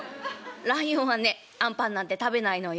ライオンはねあんパンなんて食べないのよ」。